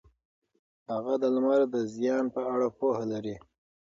هغه د لمر د زیان په اړه پوهه لري.